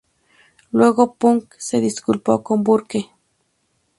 Luego, Punk se disculpó con Burke.